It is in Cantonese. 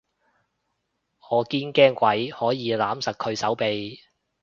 我堅驚鬼可以攬實佢手臂